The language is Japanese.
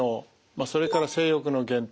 それから性欲の減退。